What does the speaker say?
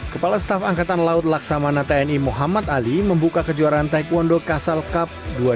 kepala staf angkatan laut laksamana tni muhammad ali membuka kejuaraan taekwondo castle cup dua ribu dua puluh